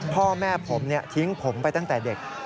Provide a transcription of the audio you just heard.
พ่อแม่ผมทิ้งผมไปตั้งแต่เด็ก